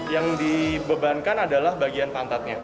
yang dibebankan adalah bagian pantatnya